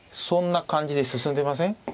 そんな感じで進んでません？